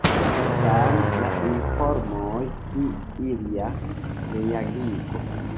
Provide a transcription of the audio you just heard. Same la informoj pri ilia realigo.